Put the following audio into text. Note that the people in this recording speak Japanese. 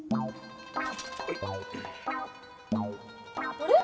あれ？